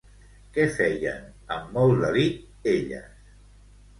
Què feien amb molt delit elles?